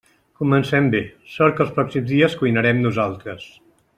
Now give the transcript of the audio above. Comencem bé, sort que els pròxims dies cuinarem nosaltres.